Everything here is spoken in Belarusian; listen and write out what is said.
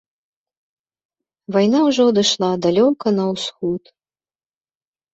Вайна ўжо адышла далёка на ўсход.